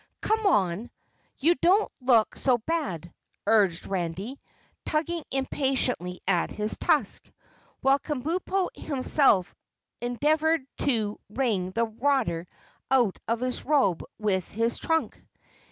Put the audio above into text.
"Come on, you don't look so bad," urged Randy, tugging impatiently at his tusk, while Kabumpo himself endeavored to wring the water out of his robe with his trunk.